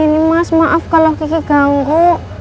ini mas maaf kalau kiki ganggu